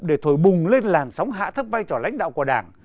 để thổi bùng lên làn sóng hạ thấp vai trò lãnh đạo của đảng